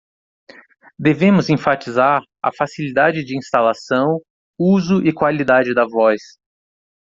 Devemos enfatizar a facilidade de instalação, uso e qualidade da voz.